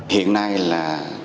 hiện nay là